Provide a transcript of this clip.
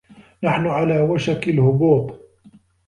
نحن على وشك الهبوط